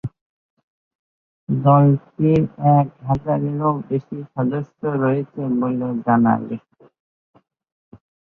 দলটির এক হাজারেরও বেশি সদস্য রয়েছে বলে জানা গেছে।